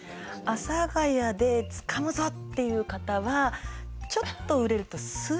阿佐ヶ谷でつかむぞっていう方はちょっと売れるとすぐね